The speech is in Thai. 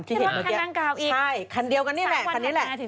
ที่เห็นบ้างคันตั้งเก่าอีก๓วันหน้าถึงจะเกิดเรื่องนี้ใช่คันเดียวกันนี่แหละ